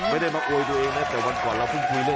ไม่ได้มาโอยตัวเองนะแต่วันก่อนเราพึ่งคุยเลย